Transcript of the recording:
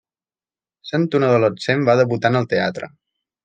Sent un adolescent va debutar en el teatre.